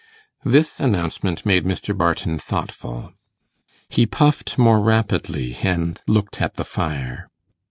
This announcement made Mr. Barton thoughtful. He puffed more rapidly, and looked at the fire.